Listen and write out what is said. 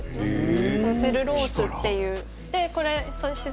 セルロースっていう。